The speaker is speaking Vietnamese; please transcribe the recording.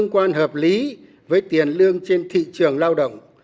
quan hợp lý với tiền lương trên thị trường lao động